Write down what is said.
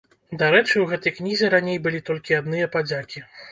Дарэчы, у гэтай кнізе раней былі толькі адныя падзякі.